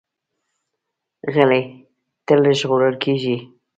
غلی، تل ژغورل کېږي.